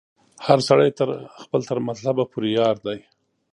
هر سړی خپل تر مطلبه پوري یار دی